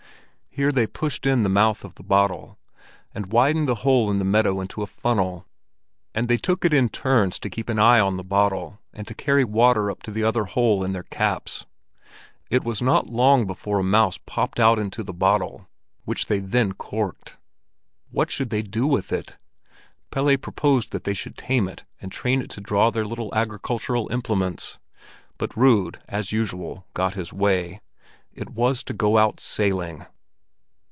Here they pushed in the mouth of the bottle, and widened the hole in the meadow into a funnel; and they took it in turns to keep an eye on the bottle, and to carry water up to the other hole in their caps. It was not long before a mouse popped out into the bottle, which they then corked. What should they do with it? Pelle proposed that they should tame it and train it to draw their little agricultural implements; but Rud, as usual, got his way—it was to go out sailing.